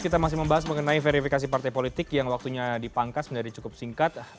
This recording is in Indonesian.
kita masih membahas mengenai verifikasi partai politik yang waktunya dipangkas menjadi cukup singkat